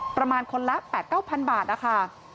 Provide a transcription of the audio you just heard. ประมาณคนละ๘๙๐๐บาทนะคะ